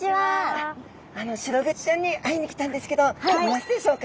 シログチちゃんに会いにきたんですけどいますでしょうか？